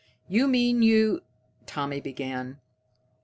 "You mean you ?" Tommy began.